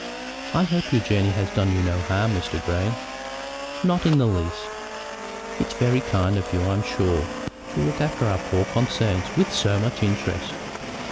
"I hope your journey has done you no harm, Mr. Grey." "Not in the least." "It's very kind of you, I am sure, to look after our poor concerns with so much interest.